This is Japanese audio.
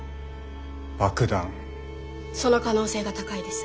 その可能性が高いです。